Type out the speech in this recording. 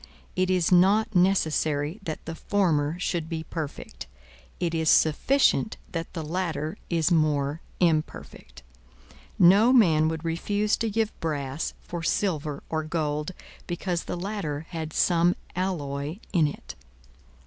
It is not necessary that the former should be perfect; it is sufficient that the latter is more imperfect. No man would refuse to give brass for silver or gold, because the latter had some alloy in it.